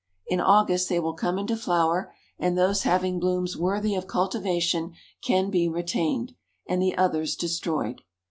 In August they will come into flower, and those having blooms worthy of cultivation can be retained, and the others destroyed.